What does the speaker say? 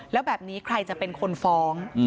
แล้วแบบนี้ใครจะเป็นคนฟ้อง